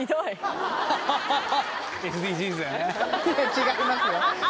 違いますよ